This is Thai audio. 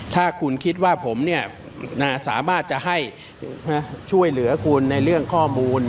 ถ้าคุณคิดว่าผมสามารถจะให้ช่วยเหลือคุณในเรื่องข้อมูล